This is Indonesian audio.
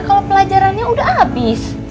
kalau pelajarannya udah habis